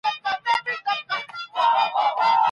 ښځې هم بايد ونډه واخلي.